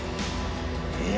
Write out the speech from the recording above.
え。